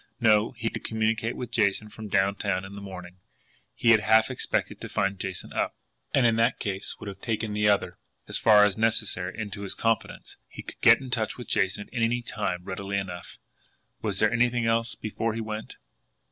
No; he could communicate with Jason from downtown in the morning. He had half expected to find Jason up, and, in that case, would have taken the other, as far as necessary, into his confidence; but it was not a matter that pressed for the moment. He could get into touch with Jason at any time readily enough. Was there anything else before he went?